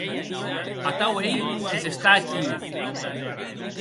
Atau ei que s'està aquiu!